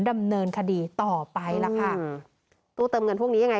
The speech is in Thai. ดำเนินคดีต่อไปล่ะค่ะอืมตู้เติมเงินพวกนี้ยังไง